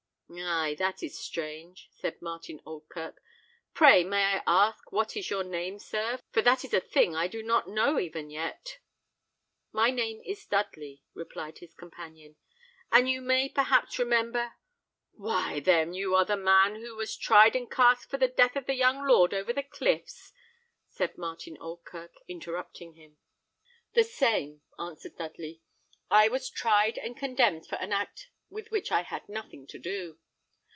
"Ay, that is strange," said Martin Oldkirk. "Pray, may I ask what is your name, sir, for that is a thing I do not know even yet?" "My name is Dudley," replied his companion; "and you may perhaps remember " "Why, then, you are the man who was tried and cast for the death of the young lord over the cliffs?" said Martin Oldkirk, interrupting him. "The same," answered Dudley. "I was tried and condemned for an act with which I had nothing to do.